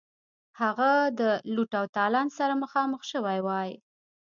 هغه د لوټ او تالان سره مخامخ شوی وای.